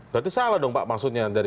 berarti salah dong pak maksudnya dari